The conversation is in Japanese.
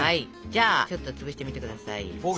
じゃあちょっと潰してみて下さい。